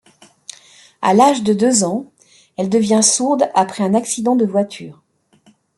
À l'âge de deux ans, elle devient sourde après un accident de voiture.